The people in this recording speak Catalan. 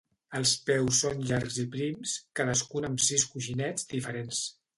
Els peus són llargs i prims, cadascun amb sis coixinets diferents.